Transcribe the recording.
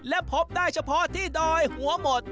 และพบได้เฉพาะที่ดอยหัวหมด